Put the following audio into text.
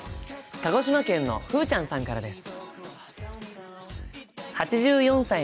鹿児島県のふうちゃんさんからです。